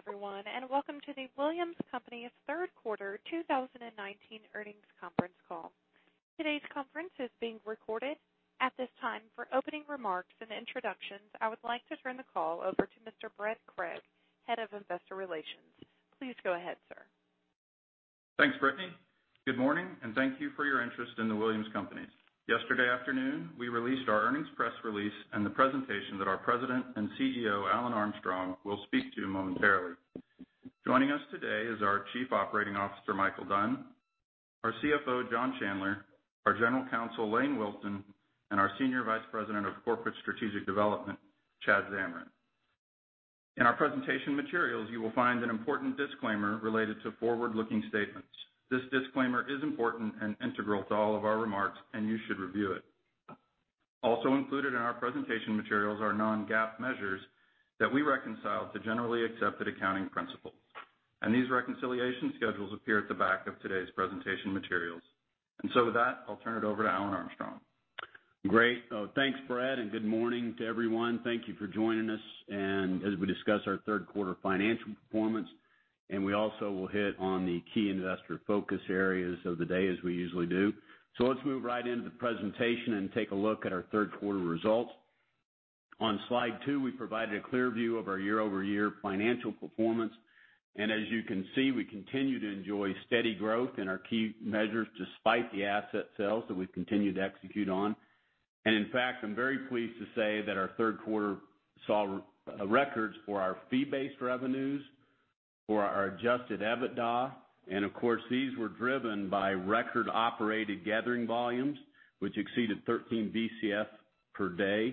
Good day everyone, welcome to The Williams Companies' third quarter 2019 earnings conference call. Today's conference is being recorded. At this time, for opening remarks and introductions, I would like to turn the call over to Mr. Brad Craig, Head of Investor Relations. Please go ahead, sir. Thanks, Brittany. Good morning, and thank you for your interest in The Williams Companies. Yesterday afternoon, we released our earnings press release and the presentation that our President and Chief Executive Officer, Alan Armstrong, will speak to momentarily. Joining us today is our Chief Operating Officer, Micheal Dunn, our CFO, John Chandler, our General Counsel, Lane Wilson, and our Senior Vice President of Corporate Strategic Development, Chad Zamarin. In our presentation materials, you will find an important disclaimer related to forward-looking statements. This disclaimer is important and integral to all of our remarks, and you should review it. Also included in our presentation materials are non-GAAP measures that we reconcile to generally accepted accounting principles. These reconciliation schedules appear at the back of today's presentation materials. With that, I'll turn it over to Alan Armstrong. Great. Thanks, Brad. Good morning to everyone. Thank you for joining us, as we discuss our third quarter financial performance, we also will hit on the key investor focus areas of the day as we usually do. Let's move right into the presentation and take a look at our third quarter results. On slide two, we provided a clear view of our year-over-year financial performance. As you can see, we continue to enjoy steady growth in our key measures despite the asset sales that we've continued to execute on. In fact, I'm very pleased to say that our third quarter saw records for our fee-based revenues, for our adjusted EBITDA, and of course, these were driven by record operated gathering volumes, which exceeded 13 Bcf per day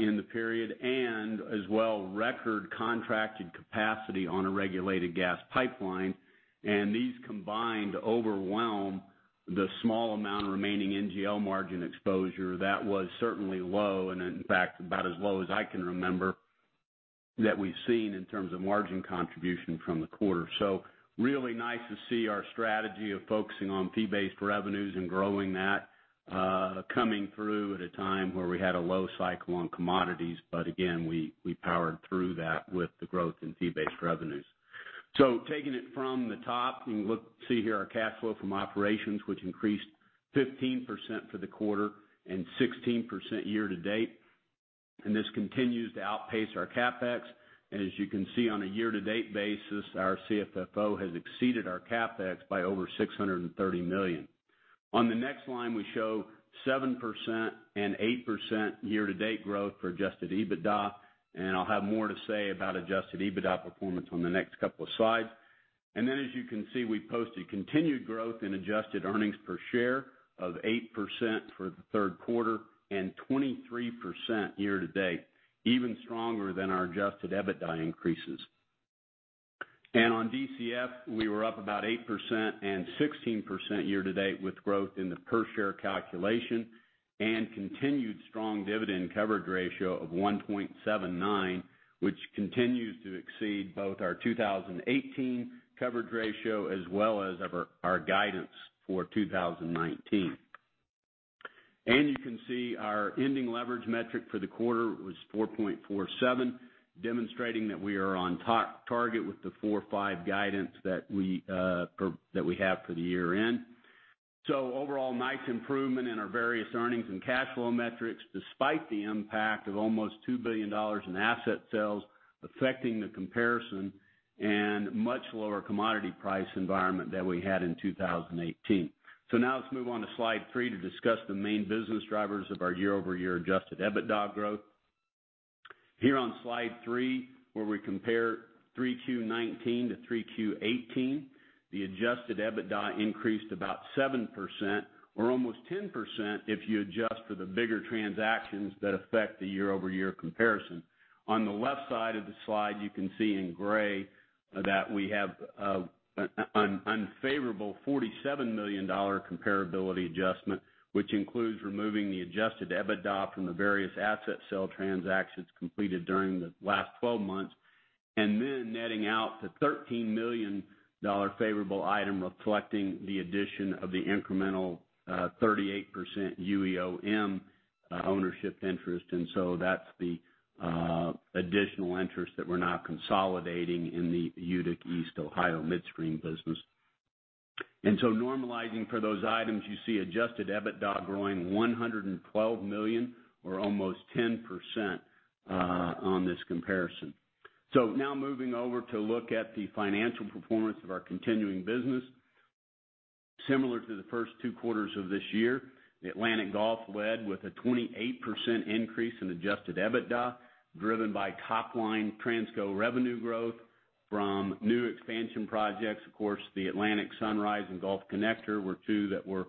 in the period, as well, record contracted capacity on a regulated gas pipeline. These combined overwhelm the small amount of remaining NGL margin exposure that was certainly low, and in fact, about as low as I can remember that we've seen in terms of margin contribution from the quarter. Really nice to see our strategy of focusing on fee-based revenues and growing that, coming through at a time where we had a low cycle on commodities. Again, we powered through that with the growth in fee-based revenues. Taking it from the top, you can look to see here our cash flow from operations, which increased 15% for the quarter and 16% year-to-date. This continues to outpace our CapEx. As you can see on a year-to-date basis, our CFFO has exceeded our CapEx by over $630 million. On the next line, we show 7% and 8% year-to-date growth for adjusted EBITDA, I'll have more to say about adjusted EBITDA performance on the next couple of slides. Then, as you can see, we posted continued growth in adjusted earnings per share of 8% for the third quarter and 23% year-to-date, even stronger than our adjusted EBITDA increases. On DCF, we were up about 8% and 16% year-to-date with growth in the per-share calculation and continued strong dividend coverage ratio of 1.79, which continues to exceed both our 2018 coverage ratio as well as our guidance for 2019. You can see our ending leverage metric for the quarter was 4.47, demonstrating that we are on target with the 4.5 guidance that we have for the year-end. Overall, nice improvement in our various earnings and cash flow metrics, despite the impact of almost $2 billion in asset sales affecting the comparison and much lower commodity price environment than we had in 2018. Now let's move on to slide three to discuss the main business drivers of our year-over-year adjusted EBITDA growth. Here on slide three, where we compare 3Q19 to 3Q18, the adjusted EBITDA increased about 7%, or almost 10% if you adjust for the bigger transactions that affect the year-over-year comparison. On the left side of the slide, you can see in gray that we have an unfavorable $47 million comparability adjustment, which includes removing the adjusted EBITDA from the various asset sale transactions completed during the last 12 months, then netting out the $13 million favorable item reflecting the addition of the incremental 38% UEOM ownership interest. That's the additional interest that we're now consolidating in the Utica East Ohio Midstream business. Normalizing for those items, you see adjusted EBITDA growing $112 million or almost 10% on this comparison. Now moving over to look at the financial performance of our continuing business. Similar to the first two quarters of this year, the Atlantic-Gulf led with a 28% increase in adjusted EBITDA, driven by top-line Transco revenue growth from new expansion projects. The Atlantic Sunrise and Gulf Connector were two that were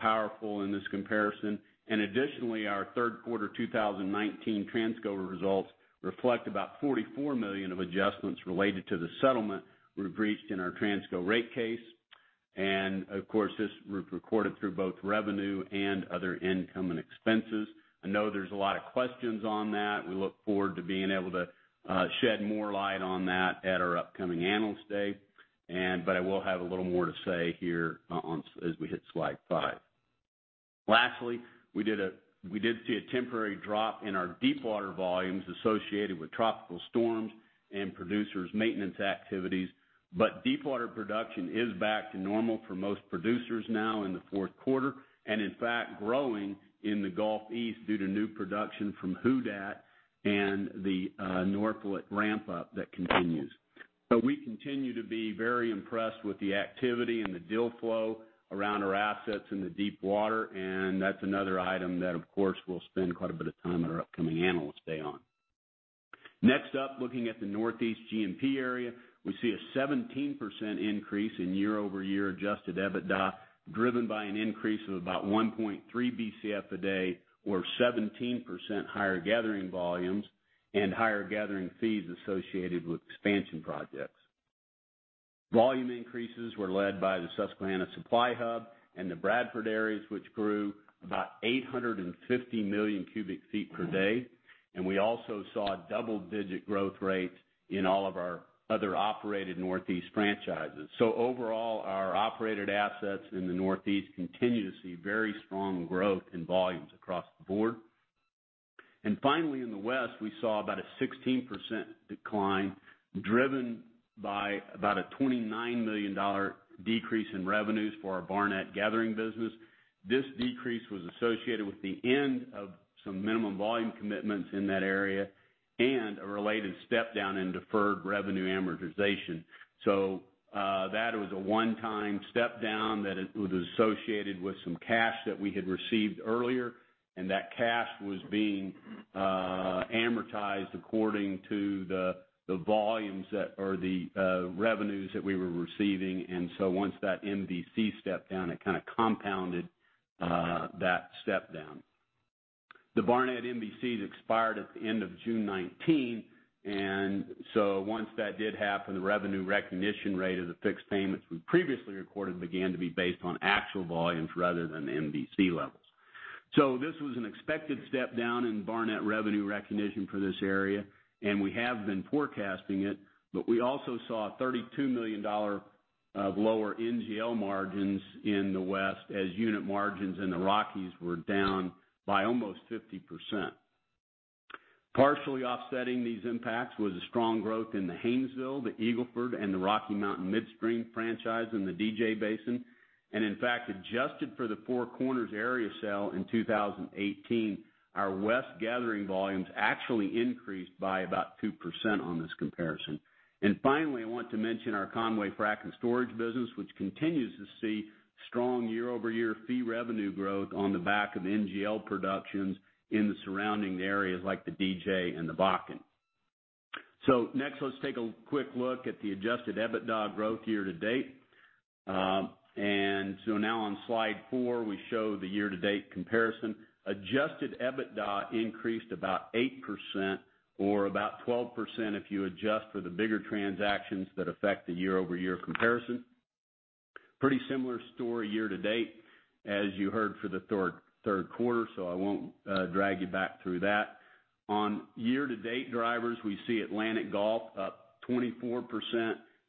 powerful in this comparison. Additionally, our third quarter 2019 Transco results reflect about $44 million of adjustments related to the settlement we've reached in our Transco rate case. Of course, this recorded through both revenue and other income and expenses. I know there's a lot of questions on that. We look forward to being able to shed more light on that at our upcoming Analyst Day. I will have a little more to say here as we hit slide five. Lastly, we did see a temporary drop in our deepwater volumes associated with tropical storms and producers' maintenance activities. Deepwater production is back to normal for most producers now in the fourth quarter, and in fact growing in the Gulf East due to new production from Who Dat and the Norphlet ramp-up that continues. We continue to be very impressed with the activity and the deal flow around our assets in the deepwater, and that's another item that, of course, we'll spend quite a bit of time at our upcoming Analyst Day on. Next up, looking at the Northeast G&P area, we see a 17% increase in year-over-year adjusted EBITDA, driven by an increase of about 1.3 Bcf a day or 17% higher gathering volumes and higher gathering fees associated with expansion projects. Volume increases were led by the Susquehanna Supply Hub and the Bradford areas, which grew about 850 million cubic feet per day. We also saw double-digit growth rates in all of our other operated Northeast franchises. Overall, our operated assets in the Northeast continue to see very strong growth in volumes across the board. Finally, in the West, we saw about a 16% decline, driven by about a $29 million decrease in revenues for our Barnett gathering business. This decrease was associated with the end of some minimum volume commitments in that area and a related step-down in deferred revenue amortization. That was a one-time step-down that was associated with some cash that we had received earlier. That cash was being amortized according to the revenues that we were receiving. Once that MVC stepped down, it kind of compounded that step-down. The Barnett MVCs expired at the end of June 2019. Once that did happen, the revenue recognition rate of the fixed payments we previously recorded began to be based on actual volumes rather than MVC levels. This was an expected step-down in Barnett revenue recognition for this area. We have been forecasting it, but we also saw $32 million of lower NGL margins in the West as unit margins in the Rockies were down by almost 50%. Partially offsetting these impacts was a strong growth in the Haynesville, the Eagle Ford, and the Rocky Mountain midstream franchise in the DJ Basin. In fact, adjusted for the Four Corners area sale in 2018, our West gathering volumes actually increased by about 2% on this comparison. Finally, I want to mention our Conway Frac & Storage business, which continues to see strong year-over-year fee revenue growth on the back of NGL productions in the surrounding areas like the DJ and the Bakken. Next, let's take a quick look at the adjusted EBITDA growth year to date. Now on slide four, we show the year-to-date comparison. Adjusted EBITDA increased about 8%, or about 12% if you adjust for the bigger transactions that affect the year-over-year comparison. Pretty similar story year to date as you heard for the third quarter, so I won't drag you back through that. On year-to-date drivers, we see Atlantic-Gulf up 24%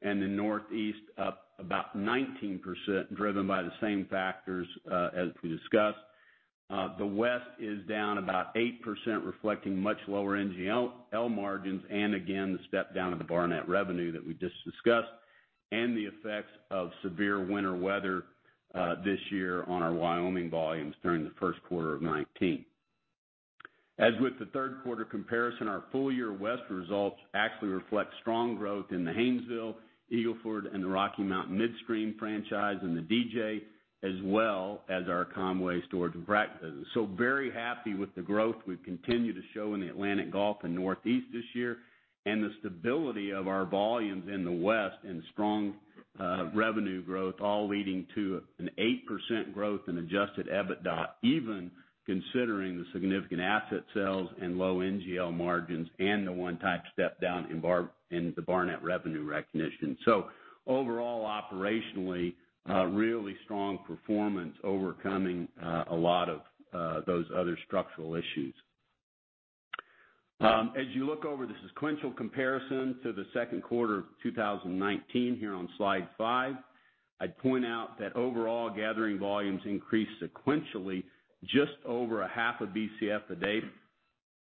and the Northeast up about 19%, driven by the same factors as we discussed. The West is down about 8%, reflecting much lower NGL margins and again, the step-down of the Barnett revenue that we just discussed and the effects of severe winter weather this year on our Wyoming volumes during the first quarter of 2019. As with the third quarter comparison, our full-year West results actually reflect strong growth in the Haynesville, Eagle Ford, and the Rocky Mountain midstream franchise in the DJ, as well as our Conway storage and frac business. Very happy with the growth we've continued to show in the Atlantic-Gulf and Northeast this year and the stability of our volumes in the West and strong revenue growth, all leading to an 8% growth in adjusted EBITDA, even considering the significant asset sales and low NGL margins and the one-time step-down in the Barnett revenue recognition. Overall, operationally, really strong performance overcoming a lot of those other structural issues. As you look over the sequential comparison to the second quarter of 2019 here on slide five, I'd point out that overall gathering volumes increased sequentially just over a half a Bcf a day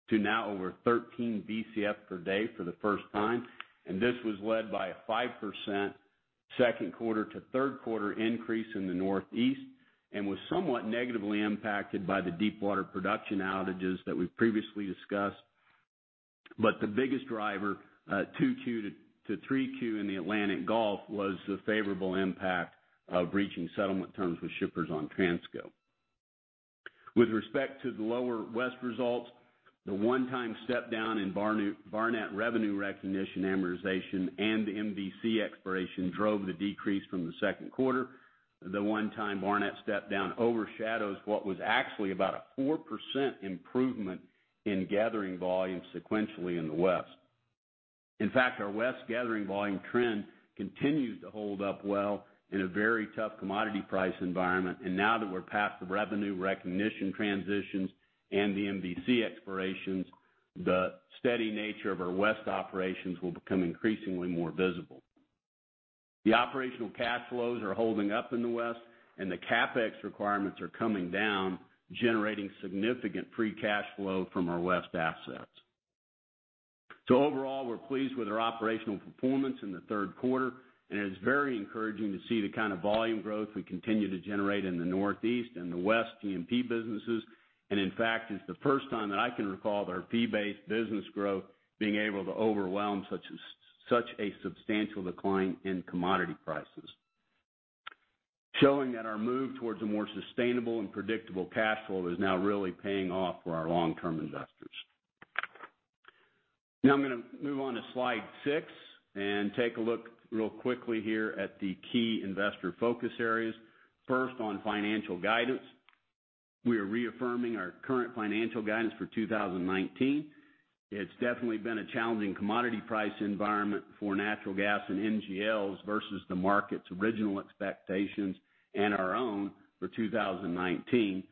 to now over 13 Bcf per day for the first time. This was led by a 5% second quarter to third quarter increase in the Northeast G&P and was somewhat negatively impacted by the deepwater production outages that we've previously discussed. The biggest driver, 2Q to 3Q in the Atlantic-Gulf, was the favorable impact of reaching settlement terms with shippers on Transco. With respect to the lower West results, the one-time step down in Barnett revenue recognition amortization and the MVC expiration drove the decrease from the second quarter. The one-time Barnett step down overshadows what was actually about a 4% improvement in gathering volumes sequentially in the West. In fact, our West gathering volume trend continues to hold up well in a very tough commodity price environment. Now that we're past the revenue recognition transitions and the MVC expirations, the steady nature of our West operations will become increasingly more visible. The operational cash flows are holding up in the West, and the CapEx requirements are coming down, generating significant free cash flow from our West assets. Overall, we're pleased with our operational performance in the third quarter, and it is very encouraging to see the kind of volume growth we continue to generate in the Northeast and the West G&P businesses. In fact, it's the first time that I can recall their fee-based business growth being able to overwhelm such a substantial decline in commodity prices. Showing that our move towards a more sustainable and predictable cash flow is now really paying off for our long-term investors. I'm going to move on to slide six and take a look real quickly here at the key investor focus areas. First, on financial guidance. We are reaffirming our current financial guidance for 2019. It's definitely been a challenging commodity price environment for natural gas and NGLs versus the market's original expectations and our own for 2019.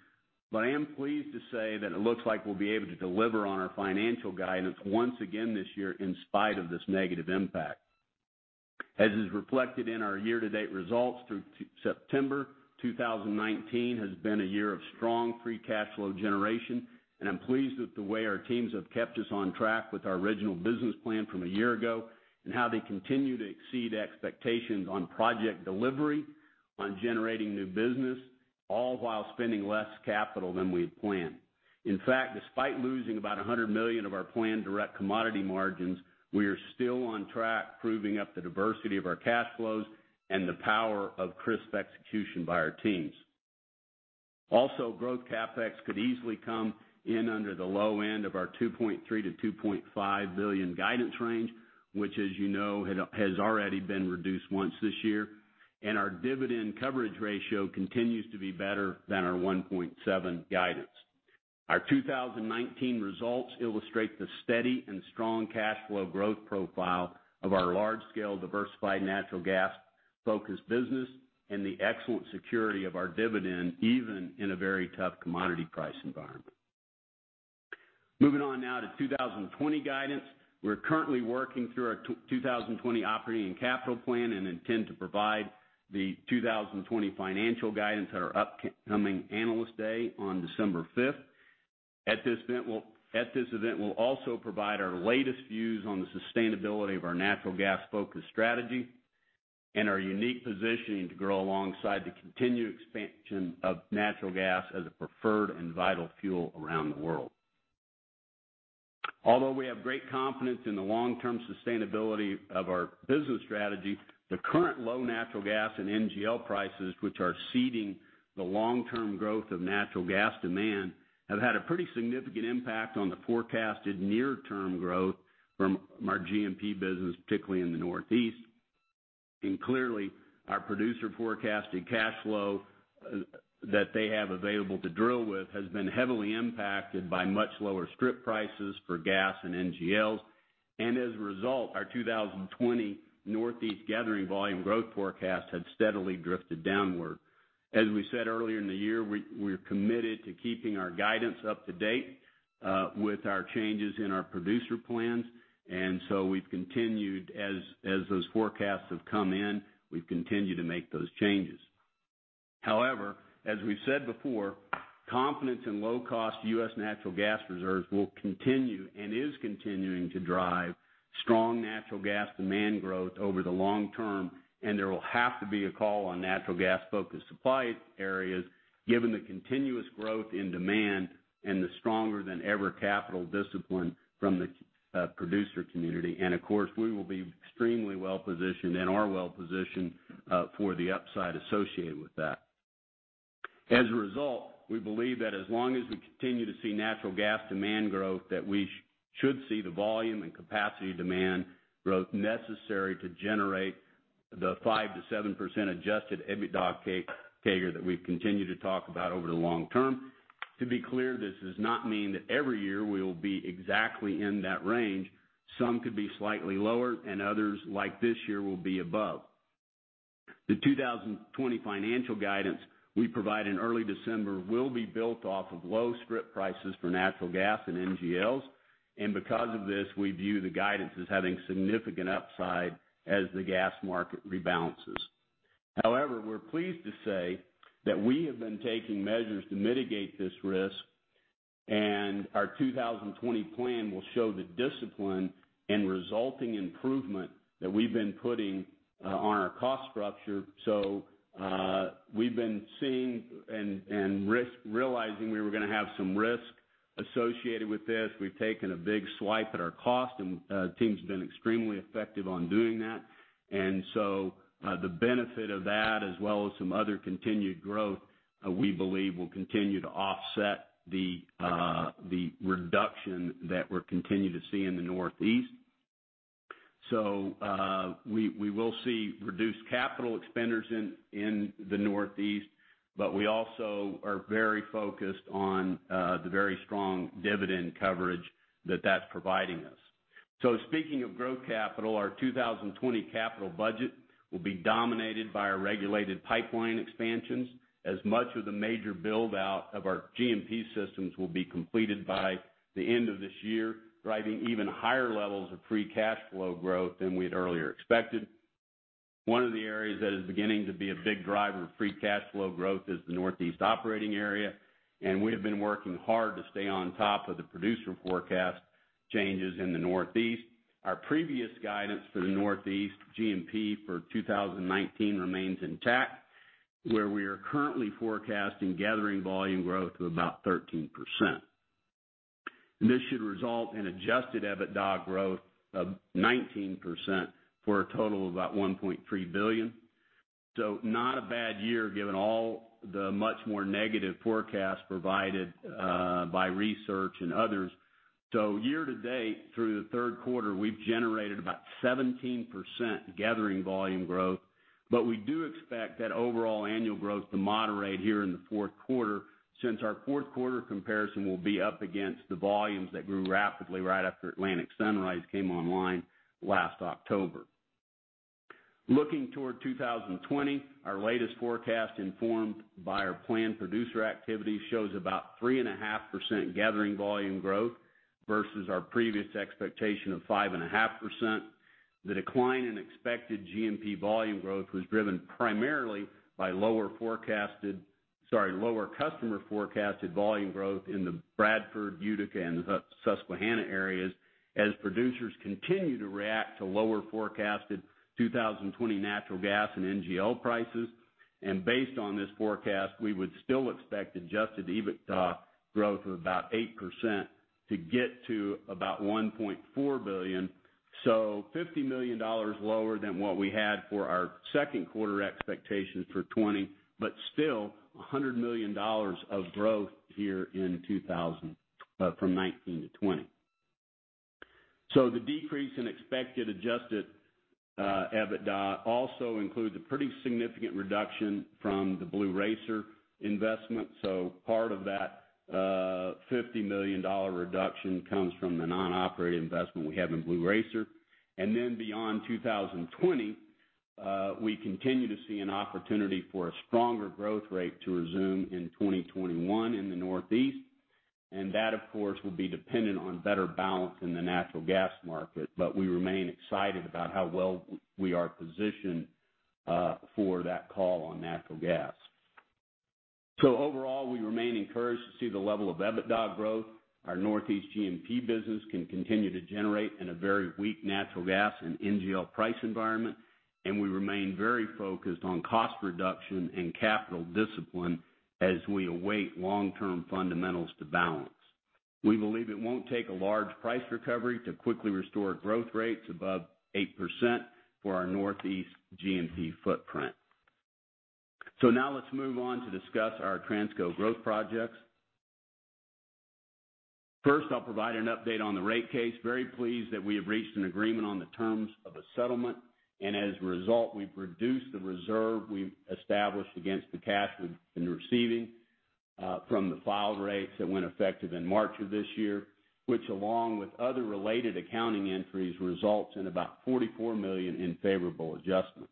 I am pleased to say that it looks like we'll be able to deliver on our financial guidance once again this year in spite of this negative impact. As is reflected in our year-to-date results through September 2019, has been a year of strong free cash flow generation, and I'm pleased with the way our teams have kept us on track with our original business plan from a year ago and how they continue to exceed expectations on project delivery, on generating new business, all while spending less capital than we had planned. In fact, despite losing about $100 million of our planned direct commodity margins, we are still on track, proving up the diversity of our cash flows and the power of crisp execution by our teams. Also, growth CapEx could easily come in under the low end of our $2.3 billion-$2.5 billion guidance range, which, as you know, has already been reduced once this year. Our dividend coverage ratio continues to be better than our 1.7 guidance. Our 2019 results illustrate the steady and strong cash flow growth profile of our large-scale, diversified natural gas-focused business and the excellent security of our dividend, even in a very tough commodity price environment. Moving on now to 2020 guidance. We're currently working through our 2020 operating and capital plan and intend to provide the 2020 financial guidance at our upcoming Analyst Day on December 5th. At this event, we'll also provide our latest views on the sustainability of our natural gas-focused strategy and our unique positioning to grow alongside the continued expansion of natural gas as a preferred and vital fuel around the world. Although we have great confidence in the long-term sustainability of our business strategy, the current low natural gas and NGL prices, which are ceding the long-term growth of natural gas demand, have had a pretty significant impact on the forecasted near-term growth from our G&P business, particularly in the Northeast. Clearly, our producer forecasted cash flow that they have available to drill with has been heavily impacted by much lower strip prices for gas and NGLs. As a result, our 2020 Northeast gathering volume growth forecast had steadily drifted downward. As we said earlier in the year, we're committed to keeping our guidance up to date with our changes in our producer plans. So we've continued, as those forecasts have come in, we've continued to make those changes. However, as we've said before, confidence in low-cost U.S. natural gas reserves will continue and is continuing to drive strong natural gas demand growth over the long term. There will have to be a call on natural gas-focused supply areas, given the continuous growth in demand and the stronger than ever capital discipline from the producer community. Of course, we will be extremely well-positioned and are well-positioned for the upside associated with that. As a result, we believe that as long as we continue to see natural gas demand growth, that we should see the volume and capacity demand growth necessary to generate the 5% to 7% adjusted EBITDA CAGR that we've continued to talk about over the long term. To be clear, this does not mean that every year we will be exactly in that range. Some could be slightly lower, and others, like this year, will be above. The 2020 financial guidance we provide in early December will be built off of low strip prices for natural gas and NGLs. Because of this, we view the guidance as having significant upside as the gas market rebalances. However, we're pleased to say that we have been taking measures to mitigate this risk. Our 2020 plan will show the discipline and resulting improvement that we've been putting on our cost structure. We've been seeing and realizing we were going to have some risk associated with this. We've taken a big swipe at our cost. The team's been extremely effective on doing that. The benefit of that, as well as some other continued growth, we believe will continue to offset the reduction that we're continuing to see in the Northeast. We will see reduced capital expenditures in the Northeast, but we also are very focused on the very strong dividend coverage that that's providing us. Speaking of growth capital, our 2020 capital budget will be dominated by our regulated pipeline expansions, as much of the major build-out of our G&P systems will be completed by the end of this year, driving even higher levels of free cash flow growth than we had earlier expected. One of the areas that is beginning to be a big driver of free cash flow growth is the Northeast operating area, we have been working hard to stay on top of the producer forecast changes in the Northeast. Our previous guidance for the Northeast G&P for 2019 remains intact, where we are currently forecasting gathering volume growth of about 13%. This should result in adjusted EBITDA growth of 19%, for a total of about $1.3 billion. Not a bad year, given all the much more negative forecasts provided by research and others. Year to date, through the third quarter, we've generated about 17% gathering volume growth, but we do expect that overall annual growth to moderate here in the fourth quarter, since our fourth quarter comparison will be up against the volumes that grew rapidly right after Atlantic Sunrise came online last October. Looking toward 2020, our latest forecast, informed by our planned producer activity, shows about 3.5% gathering volume growth versus our previous expectation of 5.5%. The decline in expected G&P volume growth was driven primarily by lower customer-forecasted volume growth in the Bradford, Utica, and Susquehanna areas as producers continue to react to lower forecasted 2020 natural gas and NGL prices. Based on this forecast, we would still expect adjusted EBITDA growth of about 8% to get to about $1.4 billion. $50 million lower than what we had for our second quarter expectations for 2020, but still $100 million of growth here from 2019 to 2020. The decrease in expected adjusted EBITDA also includes a pretty significant reduction from the Blue Racer investment. Part of that $50 million reduction comes from the non-operating investment we have in Blue Racer. Beyond 2020, we continue to see an opportunity for a stronger growth rate to resume in 2021 in the Northeast. That, of course, will be dependent on better balance in the natural gas market. We remain excited about how well we are positioned for that call on natural gas. Overall, we remain encouraged to see the level of EBITDA growth our Northeast G&P business can continue to generate in a very weak natural gas and NGL price environment, and we remain very focused on cost reduction and capital discipline as we await long-term fundamentals to balance. We believe it won't take a large price recovery to quickly restore growth rates above 8% for our Northeast G&P footprint. Now let's move on to discuss our Transco growth projects. First, I'll provide an update on the rate case. Very pleased that we have reached an agreement on the terms of a settlement. As a result, we've reduced the reserve we've established against the cash we've been receiving from the filed rates that went effective in March of this year, which, along with other related accounting entries, results in about $44 million in favorable adjustments.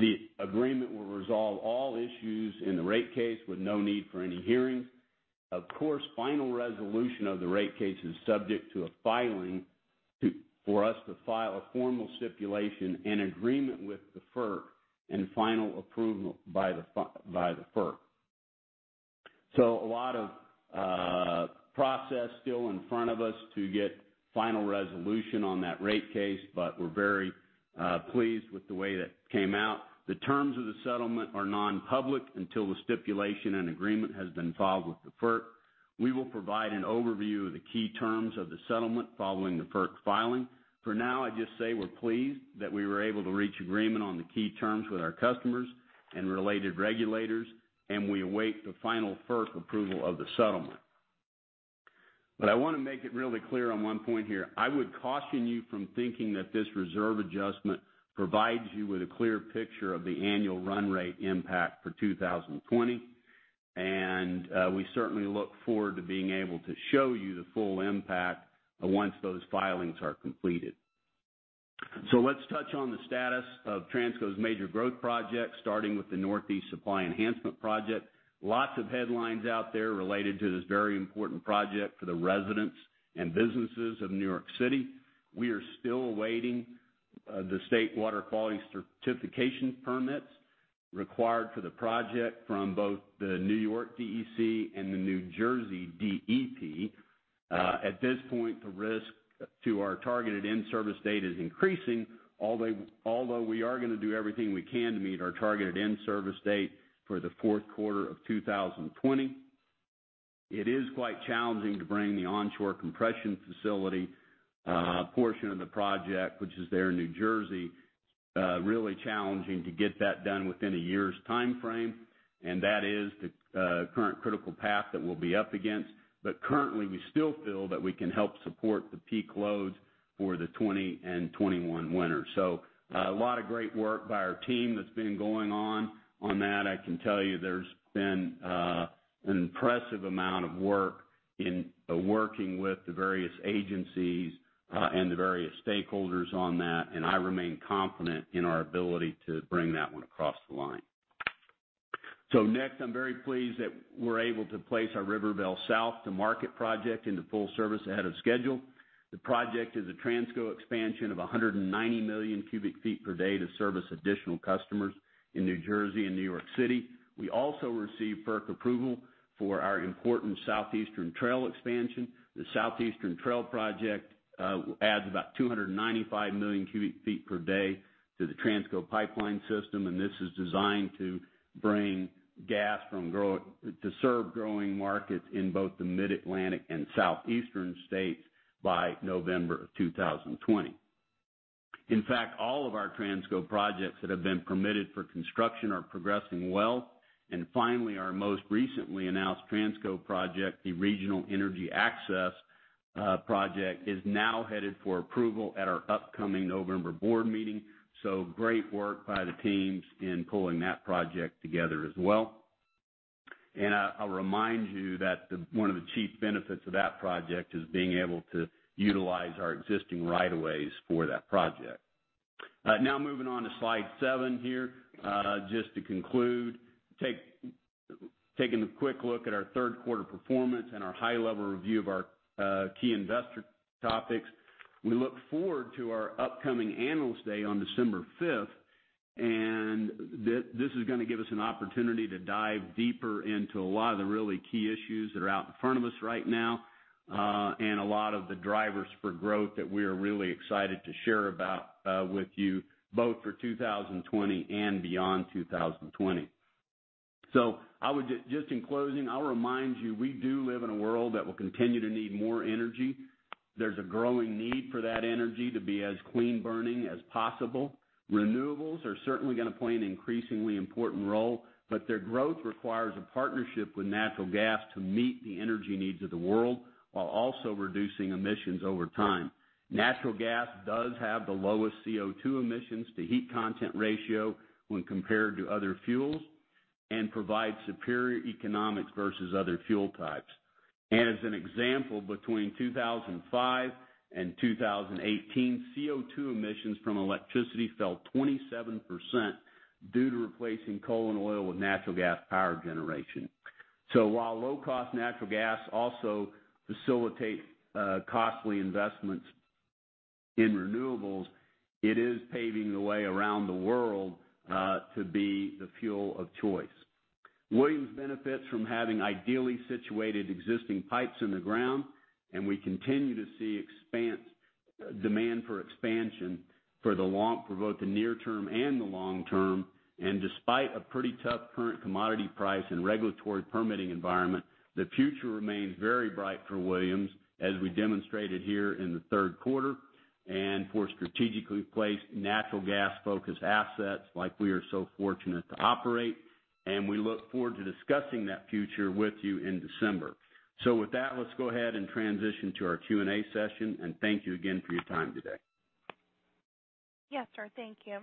The agreement will resolve all issues in the rate case with no need for any hearings. Final resolution of the rate case is subject to a filing for us to file a formal stipulation and agreement with the FERC, and final approval by the FERC. A lot of process still in front of us to get final resolution on that rate case. We're very pleased with the way that came out. The terms of the settlement are non-public until the stipulation and agreement has been filed with the FERC. We will provide an overview of the key terms of the settlement following the FERC filing. For now, I'd just say we're pleased that we were able to reach agreement on the key terms with our customers and related regulators. We await the final FERC approval of the settlement. I want to make it really clear on one point here. I would caution you from thinking that this reserve adjustment provides you with a clear picture of the annual run rate impact for 2020. We certainly look forward to being able to show you the full impact once those filings are completed. Let's touch on the status of Transco's major growth projects, starting with the Northeast Supply Enhancement project. Lots of headlines out there related to this very important project for the residents and businesses of New York City. We are still awaiting the state water quality certification permits required for the project from both the New York DEC and the New Jersey DEP. At this point, the risk to our targeted in-service date is increasing, although we are going to do everything we can to meet our targeted in-service date for the fourth quarter of 2020. It is quite challenging to bring the onshore compression facility portion of the project, which is there in New Jersey, really challenging to get that done within a year's time frame. That is the current critical path that we'll be up against. Currently, we still feel that we can help support the peak loads for the 2020 and 2021 winter. A lot of great work by our team that's been going on that. I can tell you there's been an impressive amount of work in working with the various agencies and the various stakeholders on that. I remain confident in our ability to bring that one across the line. Next, I'm very pleased that we're able to place our Rivervale South to Market project into full service ahead of schedule. The project is a Transco expansion of 190 million cubic feet per day to service additional customers in New Jersey and New York City. We also received FERC approval for our important Southeastern Trail expansion. The Southeastern Trail project adds about 295 million cubic feet per day to the Transco pipeline system. This is designed to bring gas to serve growing markets in both the Mid-Atlantic and Southeastern states by November of 2020. In fact, all of our Transco projects that have been permitted for construction are progressing well. Finally, our most recently announced Transco project, the Regional Energy Access Project, is now headed for approval at our upcoming November board meeting. Great work by the teams in pulling that project together as well. I'll remind you that one of the chief benefits of that project is being able to utilize our existing rights-of-way for that project. Moving on to slide seven here. To conclude, taking a quick look at our third quarter performance and our high-level review of our key investor topics. We look forward to our upcoming Analyst Day on December fifth, and this is going to give us an opportunity to dive deeper into a lot of the really key issues that are out in front of us right now, and a lot of the drivers for growth that we are really excited to share about with you, both for 2020 and beyond 2020. Just in closing, I'll remind you, we do live in a world that will continue to need more energy. There's a growing need for that energy to be as clean-burning as possible. Renewables are certainly going to play an increasingly important role, but their growth requires a partnership with natural gas to meet the energy needs of the world while also reducing emissions over time. Natural gas does have the lowest CO2 emissions to heat content ratio when compared to other fuels and provides superior economics versus other fuel types. As an example, between 2005 and 2018, CO2 emissions from electricity fell 27% due to replacing coal and oil with natural gas power generation. While low-cost natural gas also facilitates costly investments in renewables, it is paving the way around the world to be the fuel of choice. Williams benefits from having ideally situated existing pipes in the ground, and we continue to see demand for expansion for both the near term and the long term. Despite a pretty tough current commodity price and regulatory permitting environment, the future remains very bright for Williams as we demonstrated here in the third quarter, and for strategically placed natural gas-focused assets like we are so fortunate to operate. We look forward to discussing that future with you in December. With that, let's go ahead and transition to our Q&A session. Thank you again for your time today. Yes, sir. Thank you.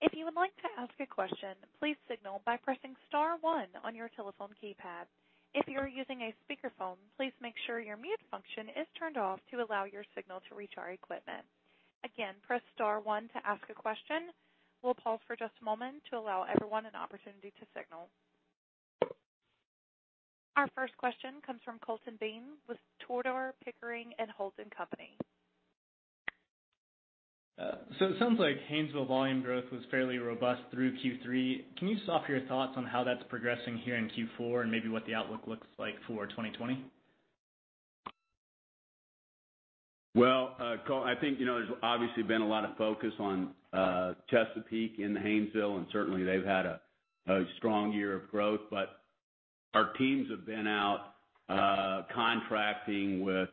If you would like to ask a question, please signal by pressing star one on your telephone keypad. If you are using a speakerphone, please make sure your mute function is turned off to allow your signal to reach our equipment. Again, press star one to ask a question. We'll pause for just a moment to allow everyone an opportunity to signal. Our first question comes from Colton Bean with Tudor, Pickering, Holt & Co.. It sounds like Haynesville volume growth was fairly robust through Q3. Can you just offer your thoughts on how that's progressing here in Q4 and maybe what the outlook looks like for 2020? Colton, I think there's obviously been a lot of focus on Chesapeake in the Haynesville, and certainly they've had a strong year of growth, but our teams have been out contracting with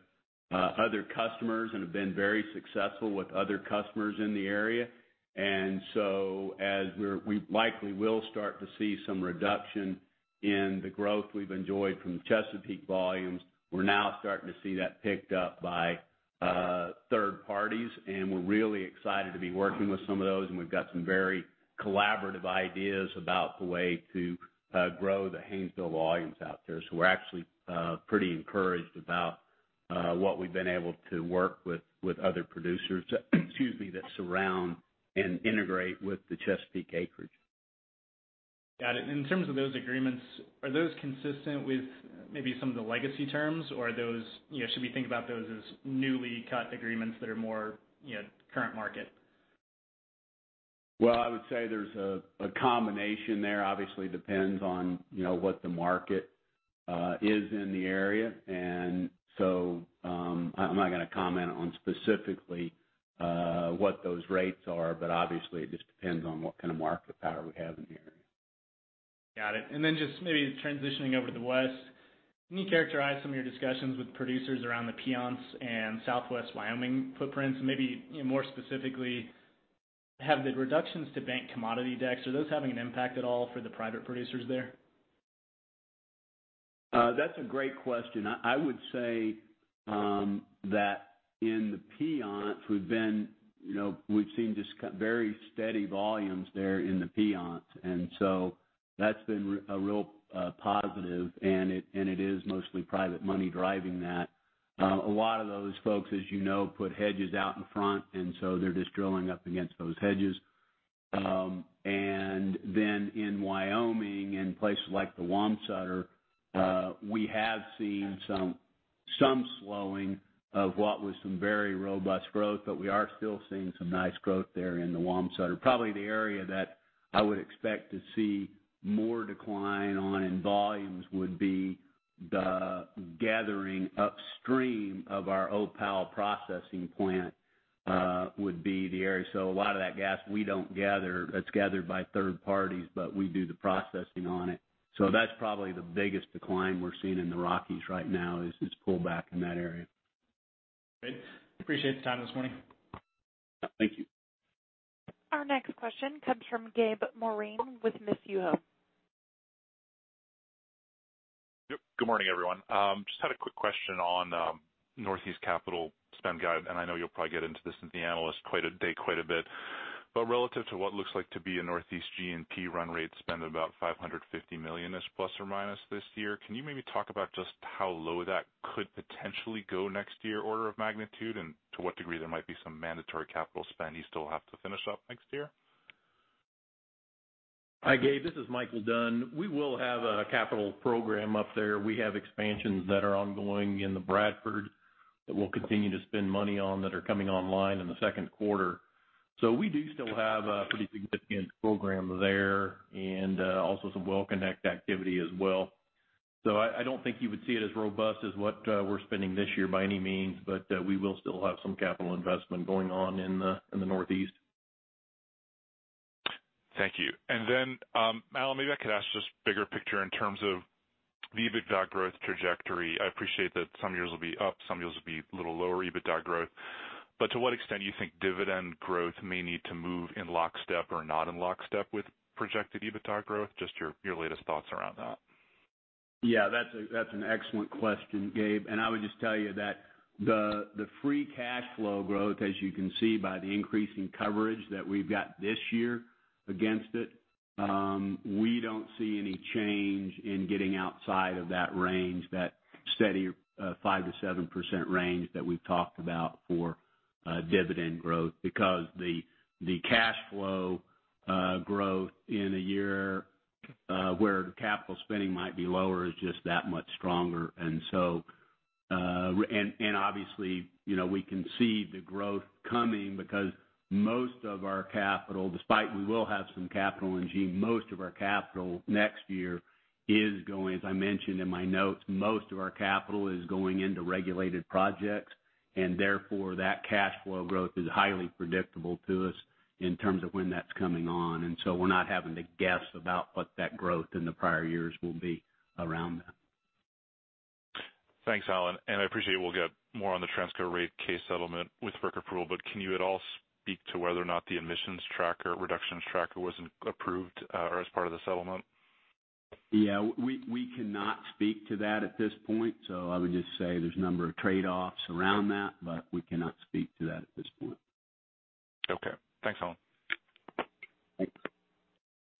other customers and have been very successful with other customers in the area. As we likely will start to see some reduction in the growth we've enjoyed from the Chesapeake volumes, we're now starting to see that picked up by third parties, and we're really excited to be working with some of those, and we've got some very collaborative ideas about the way to grow the Haynesville volumes out there. We're actually pretty encouraged about what we've been able to work with other producers that surround and integrate with the Chesapeake acreage. Got it. In terms of those agreements, are those consistent with maybe some of the legacy terms, or should we think about those as newly cut agreements that are more current market? Well, I would say there's a combination there. Obviously, depends on what the market is in the area. I'm not going to comment on specifically what those rates are, but obviously, it just depends on what kind of market power we have in the area. Got it. Just maybe transitioning over to the West, can you characterize some of your discussions with producers around the Piceance and Southwest Wyoming footprints, and maybe more specifically, have the reductions to bank commodity decks, are those having an impact at all for the private producers there? That's a great question. I would say that in the Piceance, we've seen just very steady volumes there in the Piceance. That's been a real positive, and it is mostly private money driving that. A lot of those folks, as you know, put hedges out in front. They're just drilling up against those hedges. In Wyoming, in places like the Wamsutter, we have seen some slowing of what was some very robust growth. We are still seeing some nice growth there in the Wamsutter. Probably the area that I would expect to see more decline on in volumes would be the gathering upstream of our Opal processing plant, would be the area. A lot of that gas, we don't gather. It's gathered by third parties, but we do the processing on it. That's probably the biggest decline we're seeing in the Rockies right now, is this pullback in that area. Great. Appreciate the time this morning. Thank you. Our next question comes from Gabe Moreen with Mizuho. Yep. Good morning, everyone. Just had a quick question on Northeast CapEx spend guide. I know you'll probably get into this in the analyst quite a bit. Relative to what looks like to be a Northeast G&P run rate spend of about $550 million-ish, ± this year, can you maybe talk about just how low that could potentially go next year, order of magnitude? To what degree there might be some mandatory CapEx you still have to finish up next year? Hi, Gabe, this is Micheal Dunn. We will have a capital program up there. We have expansions that are ongoing in the Bradford that we'll continue to spend money on that are coming online in the second quarter. We do still have a pretty significant program there, and also some well connect activity as well. I don't think you would see it as robust as what we're spending this year by any means, but we will still have some capital investment going on in the Northeast. Thank you. Then, Alan, maybe I could ask just bigger picture in terms of the EBITDA growth trajectory. I appreciate that some years will be up, some years will be a little lower EBITDA growth. To what extent do you think dividend growth may need to move in lockstep or not in lockstep with projected EBITDA growth? Just your latest thoughts around that. Yeah. That's an excellent question, Gabe. I would just tell you that the free cash flow growth, as you can see by the increase in coverage that we've got this year against it, we don't see any change in getting outside of that range, that steady 5%-7% range that we've talked about for dividend growth. Because the cash flow growth in a year where the capital spending might be lower is just that much stronger. Obviously, we can see the growth coming because most of our capital, despite we will have some capital in G&P, as I mentioned in my notes, most of our capital is going into regulated projects, therefore that cash flow growth is highly predictable to us in terms of when that's coming on. We're not having to guess about what that growth in the prior years will be around that. Thanks, Alan, and I appreciate we'll get more on the Transco rate case settlement with FERC approval, but can you at all speak to whether or not the emissions tracker, reductions tracker wasn't approved or as part of the settlement? Yeah. We cannot speak to that at this point. I would just say there's a number of trade-offs around that, but we cannot speak to that at this point. Okay. Thanks, Alan. Thanks.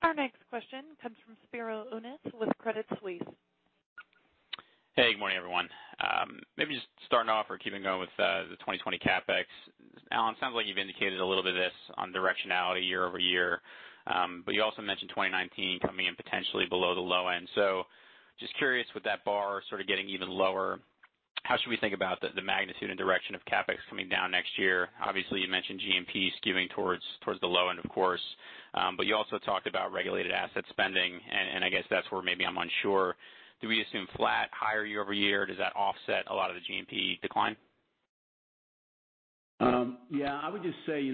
Our next question comes from Spiro Dounis with Credit Suisse. Hey, good morning, everyone. Maybe just starting off or keeping going with the 2020 CapEx. Alan, sounds like you've indicated a little bit of this on directionality year-over-year. You also mentioned 2019 coming in potentially below the low end. Just curious with that bar sort of getting even lower, how should we think about the magnitude and direction of CapEx coming down next year? Obviously, you mentioned G&P skewing towards the low end, of course. You also talked about regulated asset spending, and I guess that's where maybe I'm unsure. Do we assume flat, higher year-over-year? Does that offset a lot of the G&P decline? I would just say,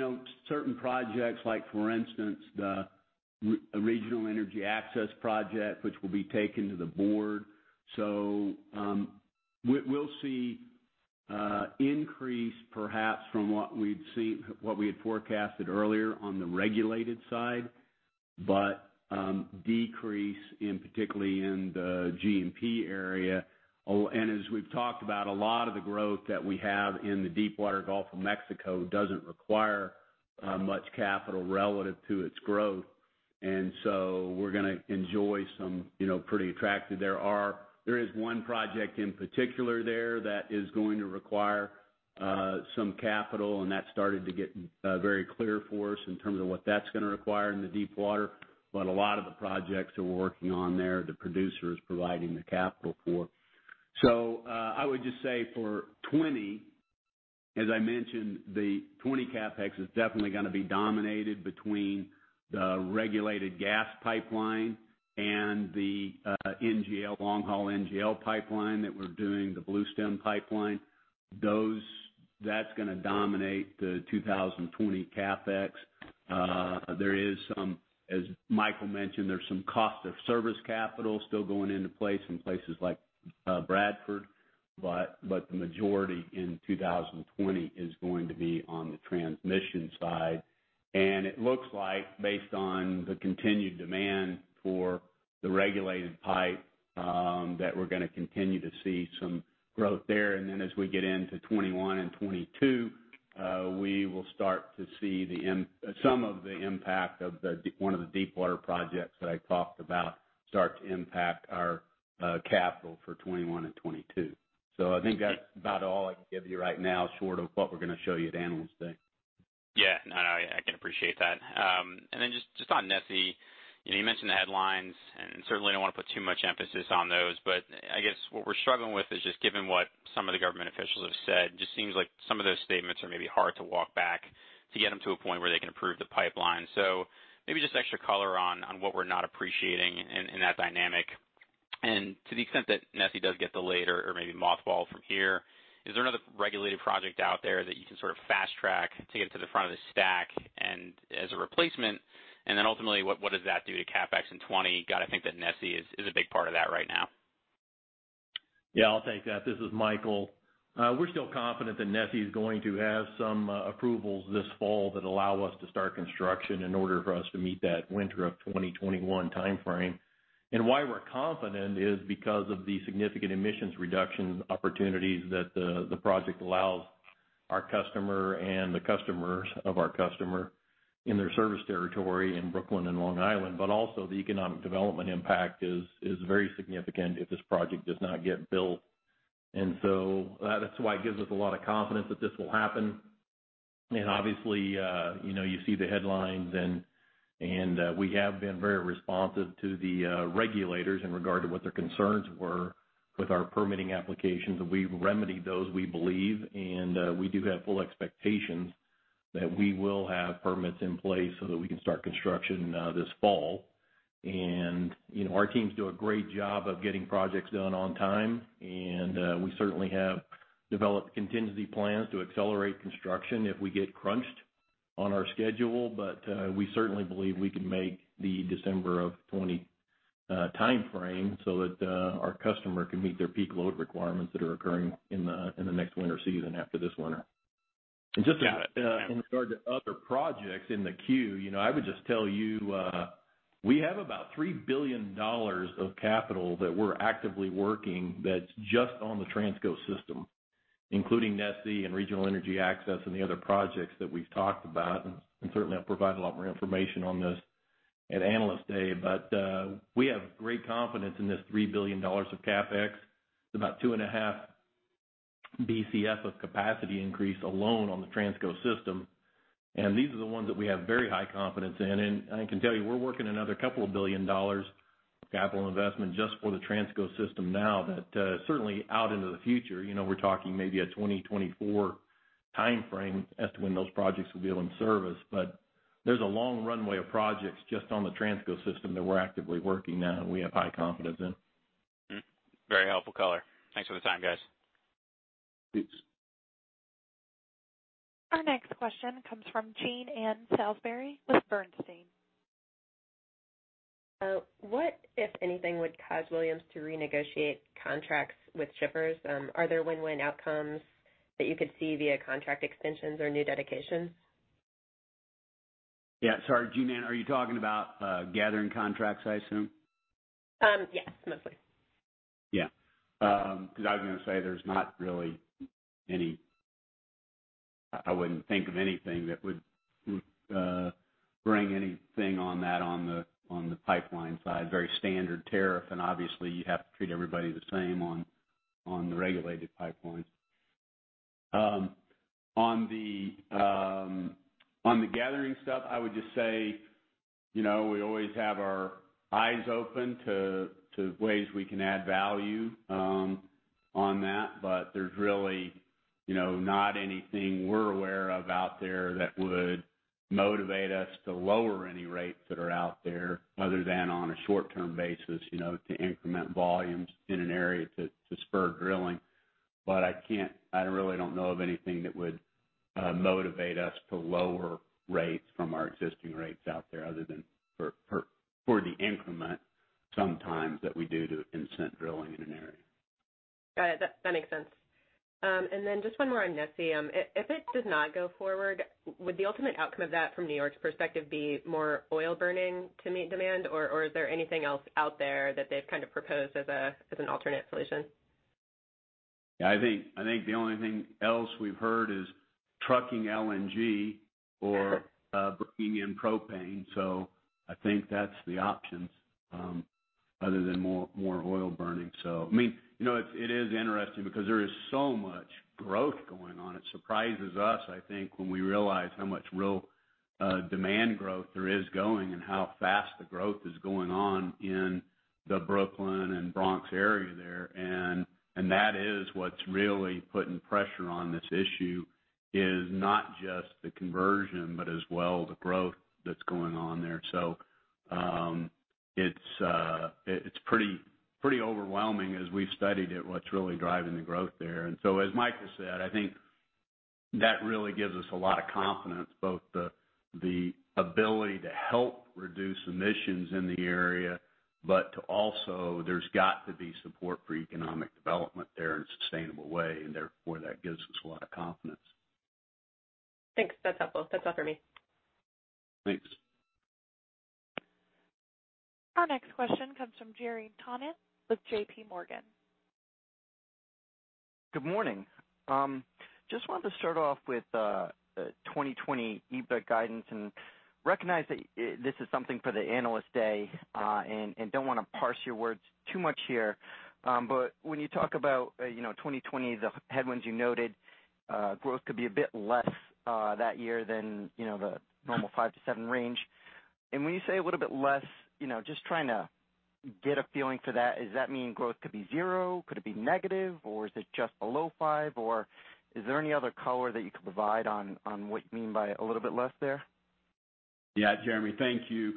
certain projects, like for instance, the Regional Energy Access Project, which will be taken to the board. We'll see increase perhaps from what we had forecasted earlier on the regulated side, but decrease in particularly in the G&P area. As we've talked about, a lot of the growth that we have in the Deepwater Gulf of Mexico doesn't require much capital relative to its growth. We're going to enjoy some pretty attractive. There is one project in particular there that is going to require some capital, and that started to get very clear for us in terms of what that's going to require in the deepwater. A lot of the projects that we're working on there, the producer is providing the capital for. I would just say for 2020, as I mentioned, the 2020 CapEx is definitely going to be dominated between the regulated gas pipeline and the long-haul NGL pipeline that we're doing, the Bluestem Pipeline. That's going to dominate the 2020 CapEx. There is some, as Micheal mentioned, there's some cost of service capital still going into play some places like Bradford. The majority in 2020 is going to be on the transmission side. It looks like based on the continued demand for the regulated pipe, that we're going to continue to see some growth there. As we get into 2021 and 2022, we will start to see some of the impact of one of the deepwater projects that I talked about start to impact our capital for 2021 and 2022. I think that's about all I can give you right now, short of what we're going to show you at Analyst Day. Yeah. No, I can appreciate that. Just on NESE, you mentioned the headlines, and certainly don't want to put too much emphasis on those, but I guess what we're struggling with is just given what some of the government officials have said, just seems like some of those statements are maybe hard to walk back to get them to a point where they can approve the pipeline. Maybe just extra color on what we're not appreciating in that dynamic. To the extent that NESE does get delayed or maybe mothballed from here, is there another regulated project out there that you can sort of fast track to get it to the front of the stack and as a replacement? Ultimately, what does that do to CapEx in 2020? Got to think that NESE is a big part of that right now. Yeah, I'll take that. This is Micheal. We're still confident that NESE is going to have some approvals this fall that allow us to start construction in order for us to meet that winter of 2021 timeframe. Why we're confident is because of the significant emissions reductions opportunities that the project allows our customer and the customers of our customer in their service territory in Brooklyn and Long Island, but also the economic development impact is very significant if this project does not get built. That's why it gives us a lot of confidence that this will happen. Obviously, you see the headlines and we have been very responsive to the regulators in regard to what their concerns were with our permitting applications. We've remedied those, we believe, and we do have full expectations that we will have permits in place so that we can start construction this fall. Our teams do a great job of getting projects done on time, and we certainly have developed contingency plans to accelerate construction if we get crunched on our schedule. We certainly believe we can make the December of 2020 timeframe so that our customer can meet their peak load requirements that are occurring in the next winter season after this winter. Yeah. Just with regard to other projects in the queue, I would just tell you, we have about $3 billion of capital that we're actively working that's just on the Transco system, including NESE and Regional Energy Access and the other projects that we've talked about. Certainly I'll provide a lot more information on this at Analyst Day. We have great confidence in this $3 billion of CapEx. It's about 2.5 Bcf of capacity increase alone on the Transco system. These are the ones that we have very high confidence in. I can tell you, we're working another couple of billion dollars of capital investment just for the Transco system now that, certainly out into the future, we're talking maybe a 2024 timeframe as to when those projects will be in service. There's a long runway of projects just on the Transco system that we're actively working now and we have high confidence in. Very helpful color. Thanks for the time, guys. Thanks. Our next question comes from Jean Ann Salisbury with Bernstein. What, if anything, would cause Williams to renegotiate contracts with shippers? Are there win-win outcomes that you could see via contract extensions or new dedications? Yeah, sorry, Jean Ann, are you talking about gathering contracts, I assume? Yes, mostly. Yeah. I was going to say, there's not really anything I wouldn't think of that would bring anything on that on the pipeline side. Very standard tariff, and obviously you have to treat everybody the same on the regulated pipelines. On the gathering stuff, I would just say, we always have our eyes open to ways we can add value on that. There's really not anything we're aware of out there that would motivate us to lower any rates that are out there other than on a short-term basis, to increment volumes in an area to spur drilling. I really don't know of anything that would motivate us to lower rates from our existing rates out there other than for the increment sometimes that we do to incent drilling in an area. Got it. That makes sense. Just one more on NESE. If it does not go forward, would the ultimate outcome of that from New York's perspective be more oil burning to meet demand, or is there anything else out there that they've kind of proposed as an alternate solution? Yeah, I think the only thing else we've heard is trucking LNG or bringing in propane. I think that's the options other than more oil burning. It is interesting because there is so much growth going on. It surprises us, I think, when we realize how much real demand growth there is going and how fast the growth is going on in the Brooklyn and Bronx area there. That is what's really putting pressure on this issue, is not just the conversion, but as well the growth that's going on there. It's pretty overwhelming as we've studied it, what's really driving the growth there. As Micheal has said, I think that really gives us a lot of confidence, both the ability to help reduce emissions in the area, but to also, there's got to be support for economic development there in a sustainable way, and therefore, that gives us a lot of confidence. Thanks. That's helpful. That's all for me. Thanks. Our next question comes from Jeremy Tonet with J.P. Morgan. Good morning. Just wanted to start off with the 2020 EBIT guidance and recognize that this is something for the analyst day, and don't want to parse your words too much here. When you talk about 2020, the headwinds you noted, growth could be a bit less that year than the normal five to seven range. When you say a little bit less, just trying to get a feeling for that. Does that mean growth could be zero? Could it be negative, or is it just below five? Is there any other color that you could provide on what you mean by a little bit less there? Jeremy, thank you.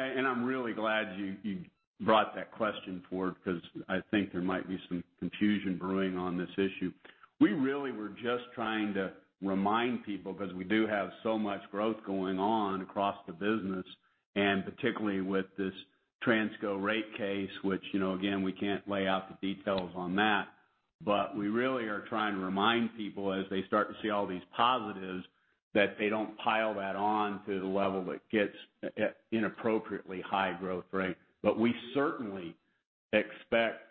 I'm really glad you brought that question forward because I think there might be some confusion brewing on this issue. We really were just trying to remind people, because we do have so much growth going on across the business, and particularly with this Transco rate case, which, again, we can't lay out the details on that. We really are trying to remind people as they start to see all these positives, that they don't pile that on to the level that gets inappropriately high growth rate. We certainly expect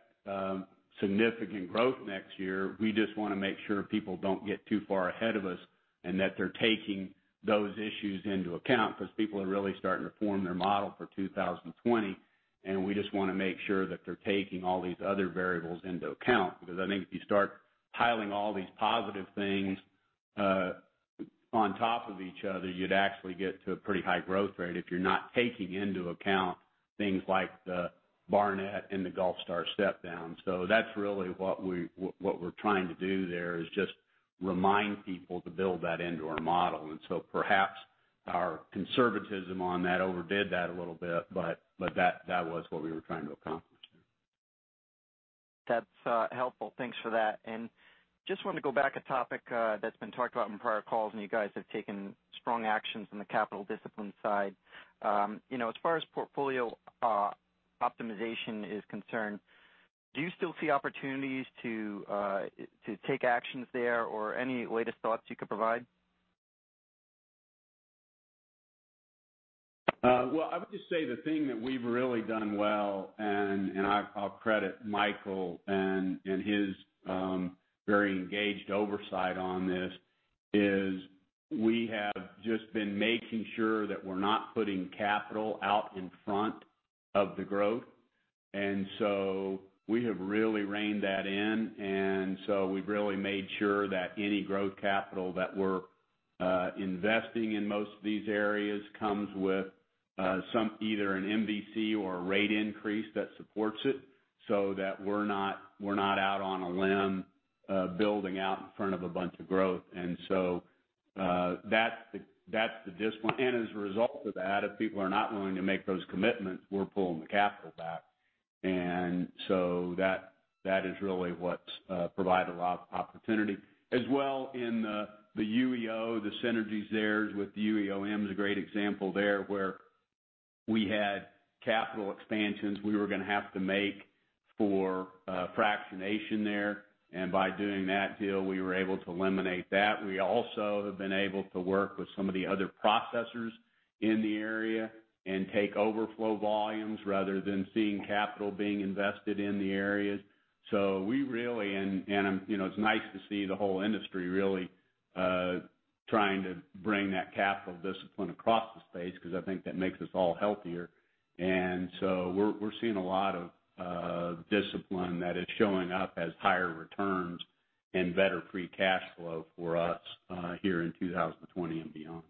significant growth next year. We just want to make sure people don't get too far ahead of us and that they're taking those issues into account, because people are really starting to form their model for 2020, and we just want to make sure that they're taking all these other variables into account, because I think if you start piling all these positive things on top of each other, you'd actually get to a pretty high growth rate if you're not taking into account things like the Barnett and the Gulfstar step down. That's really what we're trying to do there is just remind people to build that into our model. Perhaps our conservatism on that overdid that a little bit, that was what we were trying to accomplish there. That's helpful. Thanks for that. Just wanted to go back, a topic that's been talked about in prior calls, and you guys have taken strong actions on the capital discipline side. As far as portfolio optimization is concerned, do you still see opportunities to take actions there or any latest thoughts you could provide? Well, I would just say the thing that we've really done well, and I'll credit Micheal and his very engaged oversight on this, is we have just been making sure that we're not putting capital out in front of the growth. We have really reined that in. We've really made sure that any growth capital that we're investing in most of these areas comes with either an MVC or a rate increase that supports it so that we're not out on a limb building out in front of a bunch of growth. As a result of that, if people are not willing to make those commitments, we're pulling the capital back. That is really what's provided a lot of opportunity. As well in the UEO, the synergies there with UEOM is a great example there where we had capital expansions we were going to have to make for fractionation there. By doing that deal, we were able to eliminate that. We also have been able to work with some of the other processors in the area and take overflow volumes rather than seeing capital being invested in the areas. It's nice to see the whole industry really trying to bring that capital discipline across the space, because I think that makes us all healthier. We're seeing a lot of discipline that is showing up as higher returns and better free cash flow for us here in 2020 and beyond.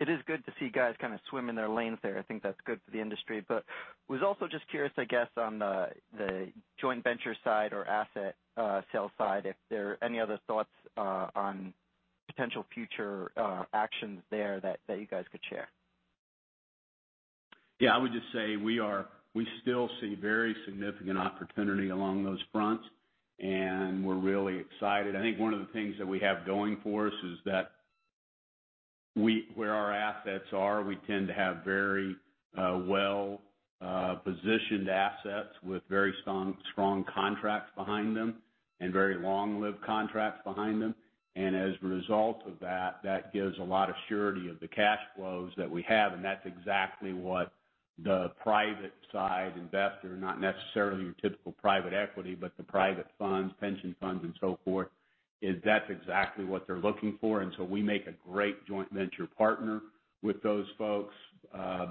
It is good to see guys kind of swim in their lanes there. I think that's good for the industry. I was also just curious, I guess, on the joint venture side or asset sales side, if there are any other thoughts on potential future actions there that you guys could share. Yeah. I would just say we still see very significant opportunity along those fronts. We're really excited. I think one of the things that we have going for us is that where our assets are, we tend to have very well-positioned assets with very strong contracts behind them and very long-lived contracts behind them. As a result of that gives a lot of surety of the cash flows that we have. That's exactly what the private side investor, not necessarily your typical private equity, but the private funds, pension funds and so forth, is that's exactly what they're looking for. We make a great joint venture partner with those folks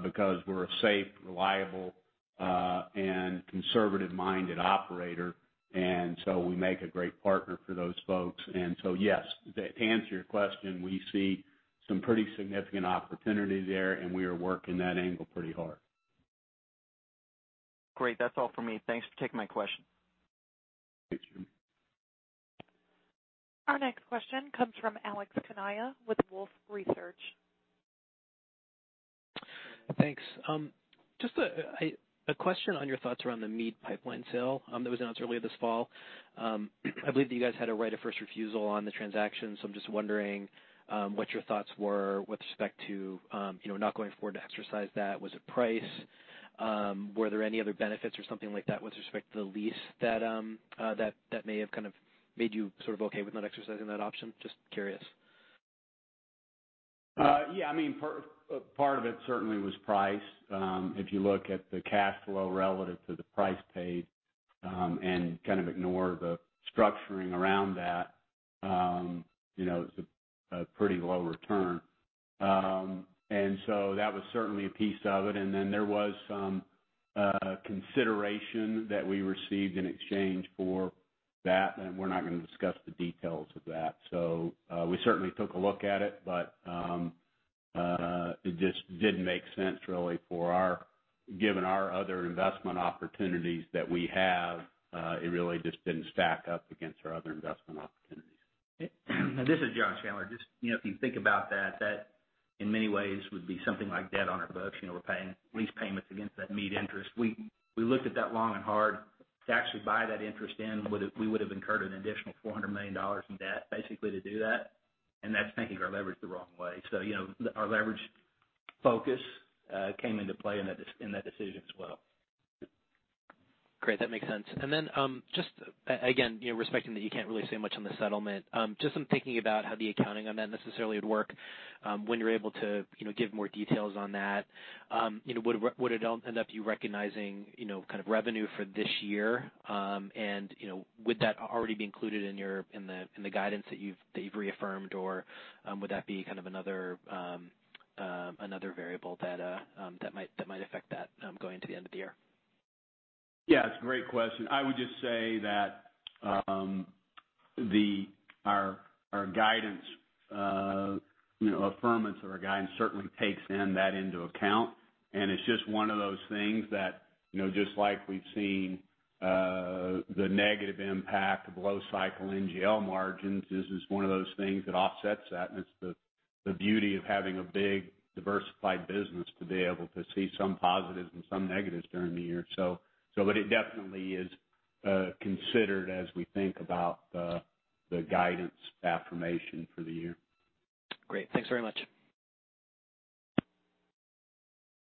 because we're a safe, reliable, and conservative-minded operator. We make a great partner for those folks. Yes, to answer your question, we see some pretty significant opportunity there, and we are working that angle pretty hard. Great. That's all for me. Thanks for taking my question. Thank you. Our next question comes from Alex Kania with Wolfe Research. Thanks. Just a question on your thoughts around the Meade Pipeline sale that was announced earlier this fall. I believe that you guys had a right of first refusal on the transaction, I'm just wondering what your thoughts were with respect to not going forward to exercise that. Was it price? Were there any other benefits or something like that with respect to the lease that may have kind of made you sort of okay with not exercising that option? Just curious. Yeah. Part of it certainly was price. If you look at the cash flow relative to the price paid, and kind of ignore the structuring around that, it's a pretty low return. That was certainly a piece of it, and then there was some consideration that we received in exchange for that, and we're not going to discuss the details of that. We certainly took a look at it, but it just didn't make sense really, given our other investment opportunities that we have. It really just didn't stack up against our other investment opportunities. This is John Chandler. If you think about that in many ways would be something like debt on our books. We're paying lease payments against that Meade interest. We looked at that long and hard. To actually buy that interest in, we would've incurred an additional $400 million in debt basically to do that, and that's taking our leverage the wrong way. Our leverage focus came into play in that decision as well. Great. That makes sense. Just, again, respecting that you can't really say much on the settlement, just in thinking about how the accounting on that necessarily would work, when you're able to give more details on that, would it all end up you recognizing kind of revenue for this year? Would that already be included in the guidance that you've reaffirmed, or would that be kind of another variable that might affect that going into the end of the year? Yeah, it's a great question. I would just say that our affirmance of our guidance certainly takes in that into account, and it's just one of those things that just like we've seen the negative impact of low cycle NGL margins, this is one of those things that offsets that, and it's the beauty of having a big, diversified business to be able to see some positives and some negatives during the year. It definitely is considered as we think about the guidance affirmation for the year. Great. Thanks very much.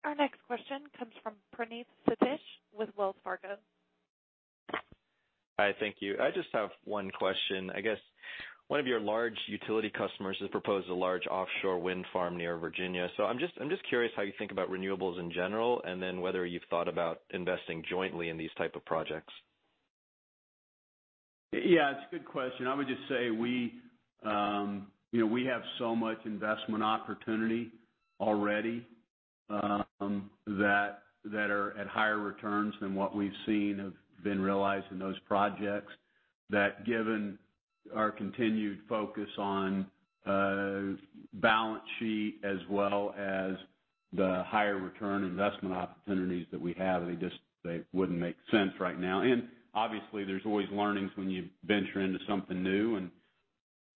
Our next question comes from Praneeth Satish with Wells Fargo. Hi. Thank you. I just have one question. I guess one of your large utility customers has proposed a large offshore wind farm near Virginia. I'm just curious how you think about renewables in general, and then whether you've thought about investing jointly in these type of projects. Yeah. It's a good question. I would just say we have so much investment opportunity already, that are at higher returns than what we've seen have been realized in those projects. Given our continued focus on balance sheet as well as the higher return investment opportunities that we have, they wouldn't make sense right now. Obviously, there's always learnings when you venture into something new,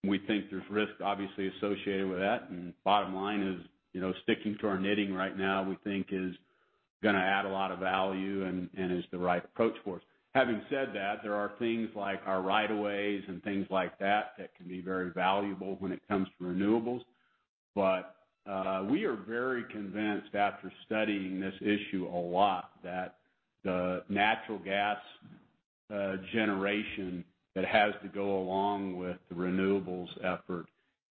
we think there's risk obviously associated with that, bottom line is, sticking to our knitting right now we think is going to add a lot of value and is the right approach for us. Having said that, there are things like our right of ways and things like that that can be very valuable when it comes to renewables. We are very convinced after studying this issue a lot that the natural gas generation that has to go along with the renewables effort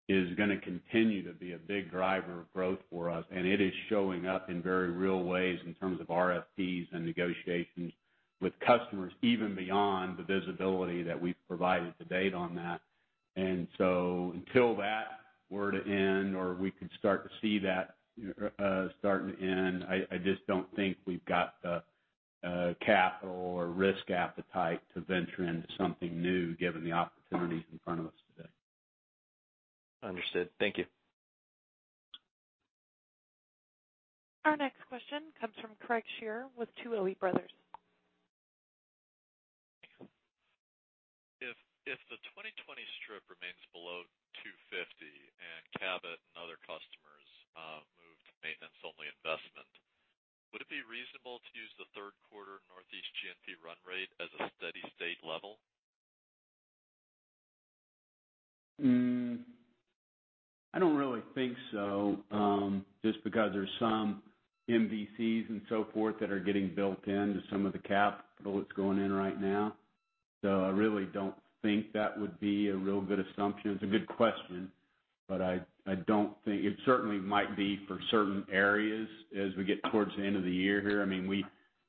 is going to continue to be a big driver of growth for us. It is showing up in very real ways in terms of RFPs and negotiations with customers, even beyond the visibility that we've provided to date on that. Until that were to end or we could start to see that starting to end, I just don't think we've got the capital or risk appetite to venture into something new given the opportunities in front of us today. Understood. Thank you. Our next question comes from Craig Shere with Tuohy Brothers. If the 2020 strip remains below $2.50 and Cabot and other customers move to maintenance-only investment, would it be reasonable to use the third quarter Northeast G&P run rate as a steady state level? I don't really think so, just because there's some MVCs and so forth that are getting built into some of the capital that's going in right now. I really don't think that would be a real good assumption. It's a good question. I don't think it certainly might be for certain areas as we get towards the end of the year here.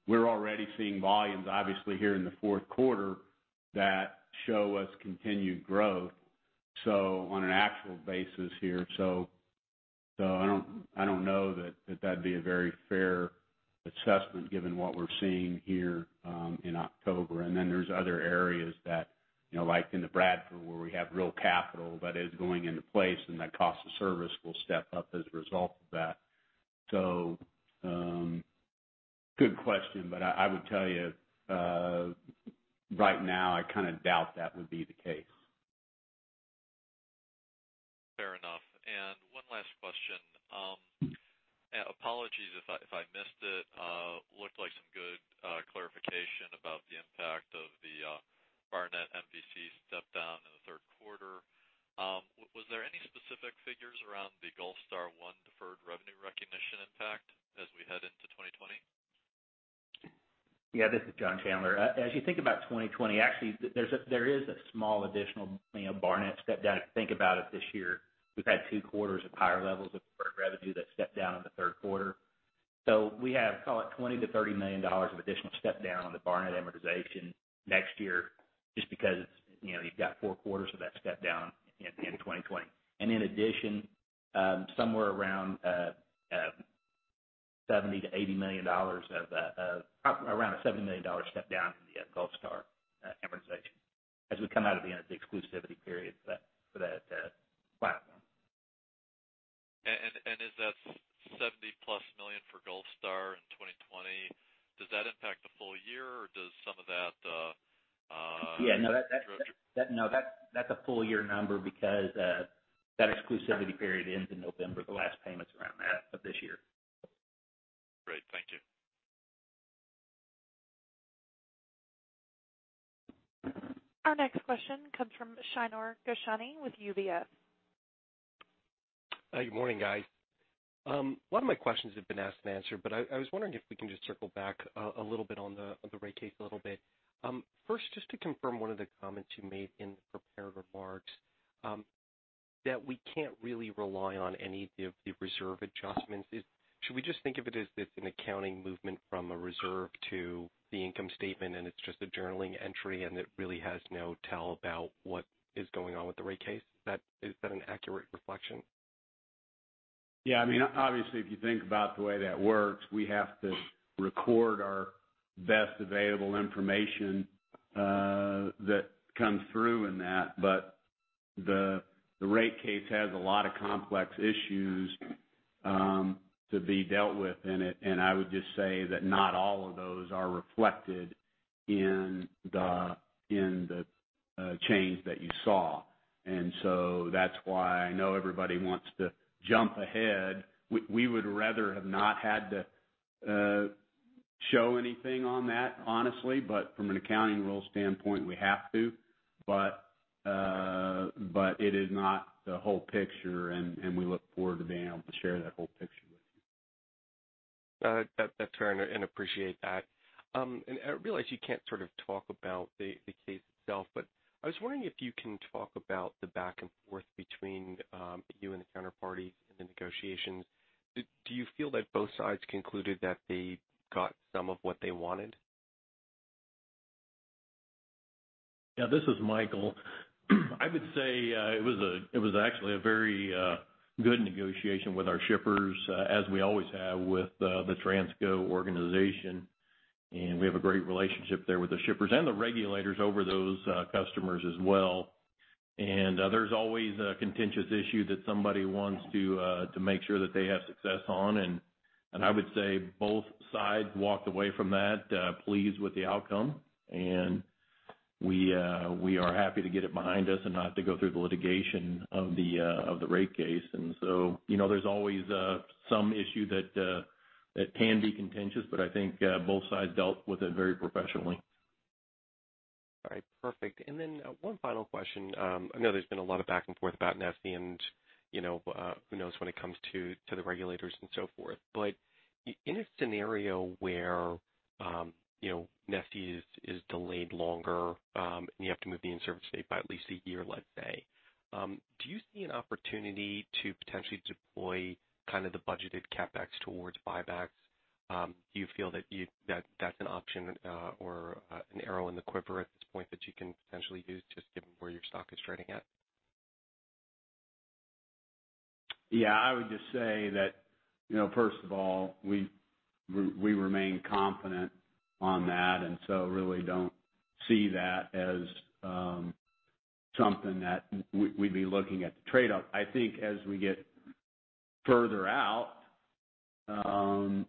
We're already seeing volumes, obviously, here in the fourth quarter that show us continued growth on an actual basis here. I don't know that that'd be a very fair assessment given what we're seeing here in October. There's other areas like in the Bradford where we have real capital that is going into place and that cost of service will step up as a result of that. Good question, but I would tell you right now I kind of doubt that would be the case. Fair enough. One last question. Apologies if I missed it. Looked like some good clarification about the impact of the Barnett MVC step down in the third quarter. Was there any specific figures around the Gulfstar One deferred revenue recognition impact as we head into? Yeah, this is John Chandler. As you think about 2020, actually, there is a small additional Barnett step down if you think about it this year. We've had 2 quarters of higher levels of deferred revenue that stepped down in the third quarter. We have, call it $20 million-$30 million of additional step down on the Barnett amortization next year, just because you've got 4 quarters of that step down in 2020. In addition, around a $70 million step down in the Gulfstar amortization as we come out at the end of the exclusivity period for that platform. Is that $70 plus million for Gulfstar in 2020, does that impact the full year or does some of that? Yeah. No, that's a full year number because that exclusivity period ends in November. The last payment's around that of this year. Great. Thank you. Our next question comes from Shneur Gershuni with UBS. Good morning, guys. A lot of my questions have been asked and answered, but I was wondering if we can just circle back a little bit on the rate case a little bit. First, just to confirm one of the comments you made in the prepared remarks, that we can't really rely on any of the reserve adjustments. Should we just think of it as if an accounting movement from a reserve to the income statement, and it's just a journaling entry and it really has no tell about what is going on with the rate case? Is that an accurate reflection? Yeah. Obviously, if you think about the way that works, we have to record our best available information that comes through in that. The rate case has a lot of complex issues to be dealt with in it, and I would just say that not all of those are reflected in the change that you saw. That's why I know everybody wants to jump ahead. We would rather have not had to show anything on that, honestly, but from an accounting rule standpoint, we have to. It is not the whole picture, and we look forward to being able to share that whole picture with you. That's fair, and appreciate that. I realize you can't sort of talk about the case itself, but I was wondering if you can talk about the back and forth between you and the counterparty in the negotiations. Do you feel that both sides concluded that they got some of what they wanted? Yeah, this is Micheal. I would say it was actually a very good negotiation with our shippers as we always have with the Transco organization. We have a great relationship there with the shippers and the regulators over those customers as well. There's always a contentious issue that somebody wants to make sure that they have success on. I would say both sides walked away from that pleased with the outcome. We are happy to get it behind us and not have to go through the litigation of the rate case. There's always some issue that can be contentious, but I think both sides dealt with it very professionally. All right. Perfect. One final question. I know there's been a lot of back and forth about NESE and who knows when it comes to the regulators and so forth. In a scenario where NESE is delayed longer, and you have to move the in-service date by at least a year, let's say, do you see an opportunity to potentially deploy kind of the budgeted CapEx towards buybacks? Do you feel that that's an option or an arrow in the quiver at this point that you can potentially use just given where your stock is trading at? Yeah. I would just say that, first of all, we remain confident on that, and so really don't see that as something that we'd be looking at to trade up. I think as we get further out,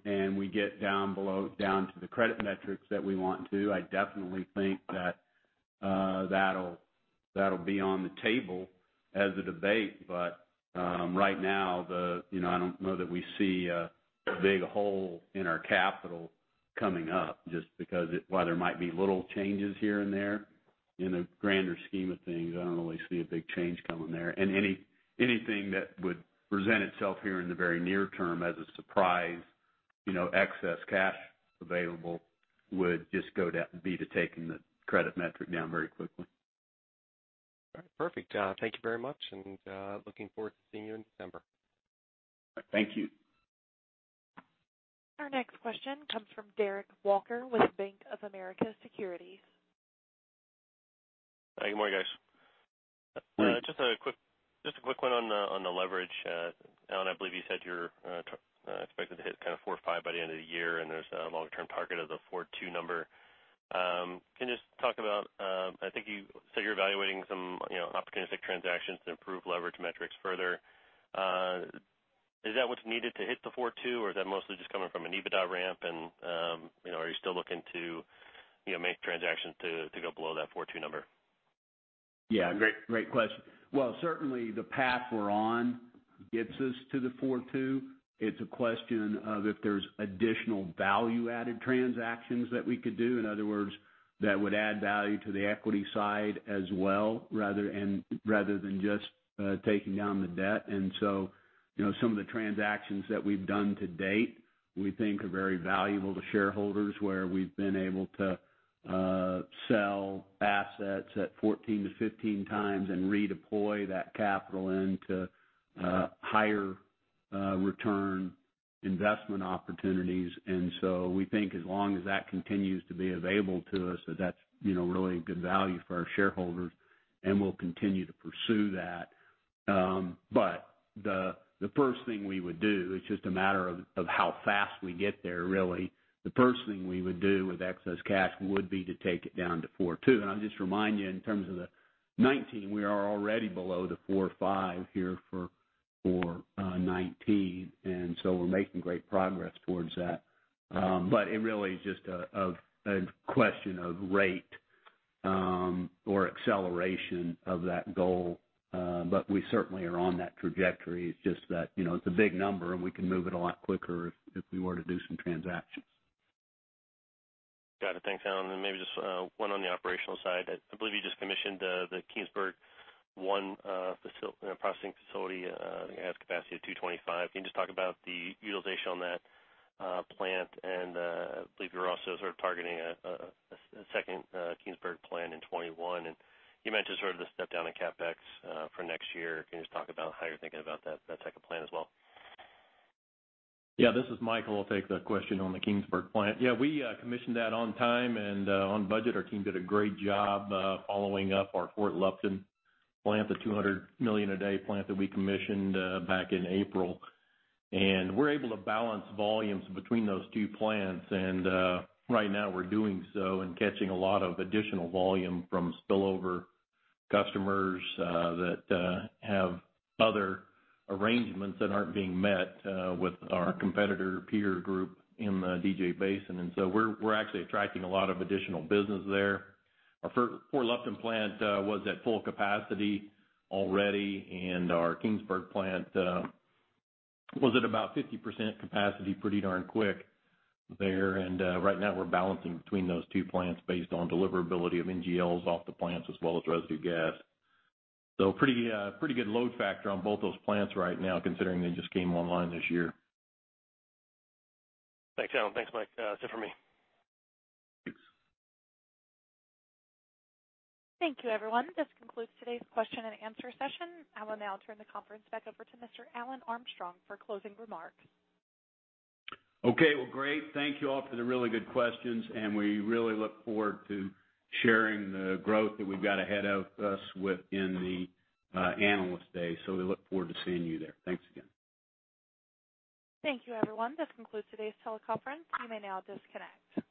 and we get down to the credit metrics that we want to, I definitely think that that'll be on the table as a debate. Right now, I don't know that we see a big hole in our capital coming up just because while there might be little changes here and there, in the grander scheme of things, I don't really see a big change coming there. Anything that would present itself here in the very near term as a surprise excess cash available would just go down, be to taking the credit metric down very quickly. All right. Perfect. Thank you very much, and looking forward to seeing you in December. Thank you. Our next question comes from Derrick Walker with Bank of America Securities. Good morning, guys. Just a quick one on the leverage. Alan, I believe you said you're expecting to hit kind of 4.5 by the end of the year, and there's a long-term target of the 4.2 number. Can you just talk about. I think you said you're evaluating some opportunistic transactions to improve leverage metrics further. Is that what's needed to hit the 4.2, or is that mostly just coming from an EBITDA ramp? Are you still looking to make transactions to go below that 4.2 number? Yeah. Great question. Certainly the path we're on gets us to the 4.2. It's a question of if there's additional value-added transactions that we could do. In other words, that would add value to the equity side as well, rather than just taking down the debt. Some of the transactions that we've done to date, we think are very valuable to shareholders, where we've been able to sell assets at 14 to 15 times and redeploy that capital into higher return investment opportunities. We think as long as that continues to be available to us, that's really a good value for our shareholders, and we'll continue to pursue that. The first thing we would do, it's just a matter of how fast we get there, really. The first thing we would do with excess cash would be to take it down to 4.2. I'll just remind you, in terms of 2019, we are already below the four five here for 2019. We're making great progress towards that. It really is just a question of rate or acceleration of that goal. We certainly are on that trajectory. It's just that it's a big number, and we can move it a lot quicker if we were to do some transactions. Got it. Thanks, Alan. Maybe just one on the operational side. I believe you just commissioned the Keenesburg One processing facility. I think it has capacity of 225. Can you just talk about the utilization on that plant? I believe you're also sort of targeting a second Keenesburg plant in 2021, and you mentioned sort of the step down in CapEx for next year. Can you just talk about how you're thinking about that type of plan as well? Yeah. This is Micheal. I'll take the question on the Keenesburg plant. Yeah, we commissioned that on time and on budget. Our team did a great job following up our Fort Lupton plant, the 200 million a day plant that we commissioned back in April. We're able to balance volumes between those two plants. Right now we're doing so and catching a lot of additional volume from spillover customers that have other arrangements that aren't being met with our competitor peer group in the DJ basin. We're actually attracting a lot of additional business there. Our Fort Lupton plant was at full capacity already, and our Keenesburg plant was at about 50% capacity pretty darn quick there. Right now, we're balancing between those two plants based on deliverability of NGLs off the plants as well as residue gas. Pretty good load factor on both those plants right now considering they just came online this year. Thanks, Alan. Thanks, Mike. That's it for me. Thanks. Thank you, everyone. This concludes today's question and answer session. I will now turn the conference back over to Mr. Alan Armstrong for closing remarks. Okay. Well, great. Thank you all for the really good questions, and we really look forward to sharing the growth that we've got ahead of us within the Analyst Day. We look forward to seeing you there. Thanks again. Thank you, everyone. This concludes today's teleconference. You may now disconnect.